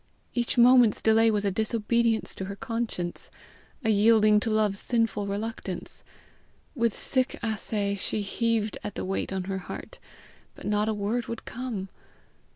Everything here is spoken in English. Each moment's delay was a disobedience to her conscience, a yielding to love's sinful reluctance! With "sick assay" she heaved at the weight on her heart, but not a word would come.